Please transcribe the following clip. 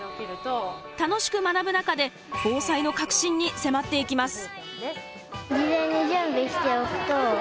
楽しく学ぶ中で防災の核心に迫っていきます。